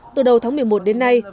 từ đầu tháng một mươi một đến nay